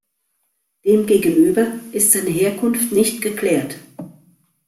Demgegenüber ist seine Herkunft nicht geklärt.